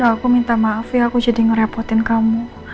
aku minta maaf ya aku jadi ngerepotin kamu